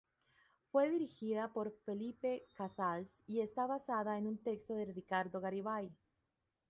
Fue dirigida por Felipe Cazals y está basada en un texto de Ricardo Garibay.